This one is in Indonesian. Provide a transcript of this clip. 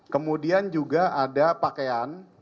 kemudian juga ada pakaian